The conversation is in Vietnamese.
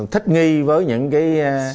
thất nghi với những cái